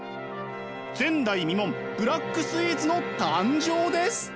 前代未聞ブラックスイーツの誕生です。